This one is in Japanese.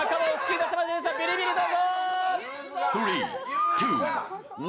ビリビリどうぞ！